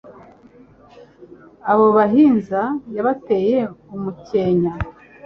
Abo bahinza yabateye umukenya*,